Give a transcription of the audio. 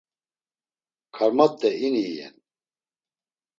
Karmat̆e ini iyen.